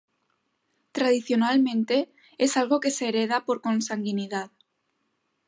Tradicionalmente es algo que se hereda por consanguinidad.